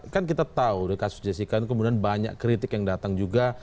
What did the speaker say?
kan kita tahu dari kasus jessica itu kemudian banyak kritik yang datang juga